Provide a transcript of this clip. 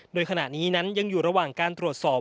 โดยขณะนี้นั้นยังอยู่ระหว่างการตรวจสอบ